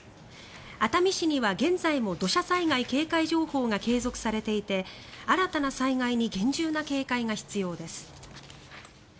熱海市には現在も土砂災害警戒情報が継続されていて新たな災害に厳重な警戒が必要です。